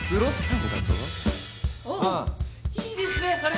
いいですねそれ。